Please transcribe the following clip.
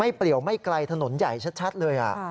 ไม่เปรียวไม่ไกลถนนใหญ่ชัดเลยอ่ะ